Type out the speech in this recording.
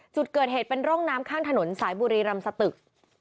จุดเกิดเหตุเป็นร่องน้ำข้างถนนสายบุรีรำสตึก